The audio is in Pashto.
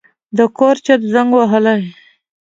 د کور چت زنګ وهلی و.